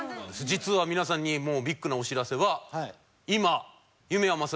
実は皆さんにビッグなお知らせは今えっ！